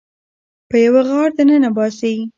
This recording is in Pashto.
په یوه غار ننه باسي